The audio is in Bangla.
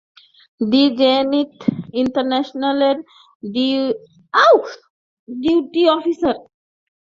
দি জেনিথ ইন্টারন্যাশনালের ডিউটি অফিসার।